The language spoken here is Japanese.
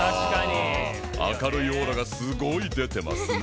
明るいオーラがすごい出てますね。